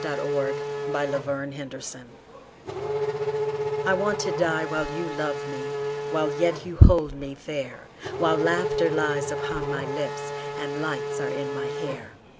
I WANT TO DIE WHILE YOU LOVE ME I want to die while you love me, While yet you hold me fair, While laughter lies upon my lips And lights are in my hair.